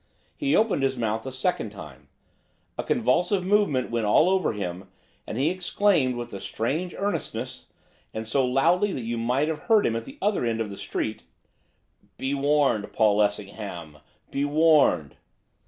He opened his mouth a second time. A convulsive movement went all over him, and he exclaimed, with the strangest earnestness, and so loudly that you might have heard him at the other end of the street, "Be warned, Paul Lessingham, be warned!"